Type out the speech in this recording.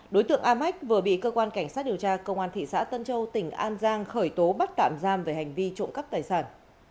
đối tượng a mách vừa bị cơ quan cảnh sát điều tra công an thị xã tân châu tỉnh an giang khởi tố bắt tạm giam về hành vi trộm cắp tài sản